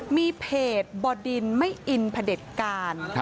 มีเพจบอดินไม่อินเผชิญการ